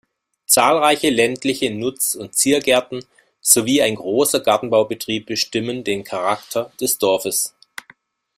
Zahlreiche ländliche Nutz- und Ziergärten sowie ein großer Gartenbaubetrieb bestimmen den Charakter des Dorfes.